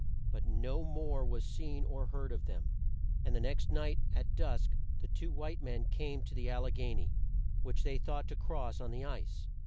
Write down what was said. But no more was seen or heard of them, and the next night, at dusk, the two white men came to the Al le gha ny, which they thought to cross on the ice.